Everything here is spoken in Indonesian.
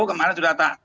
kemarin sudah tak